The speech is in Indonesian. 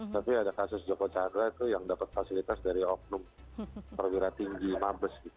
tapi ada kasus joko chandra itu yang dapat fasilitas dari oknum perwira tinggi mabes